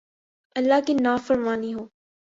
، اللہ کی نافرمانی ہو